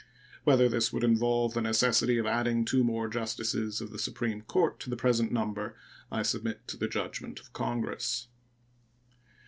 Whether this would involve the necessity of adding two more justices of the Supreme Court to the present number I submit to the judgment of Congress.